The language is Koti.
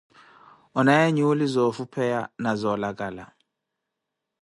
Onaaye nyuuli zoofupheya na zoolakala.